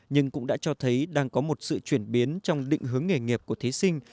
nhưng cũng đã cho thấy đang có một sự chuyển biến trong định hướng nghề nghiệp của thí sinh